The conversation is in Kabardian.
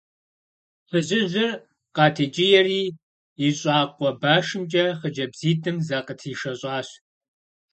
Фызыжьыр къатекӀиери и щӀакъуэ башымкӀэ хъыджэбзитӀым закъытришэщӀащ.